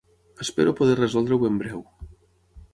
Espero poder resoldre-ho en breu.